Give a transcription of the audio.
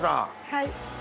はい。